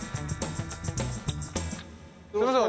すいません。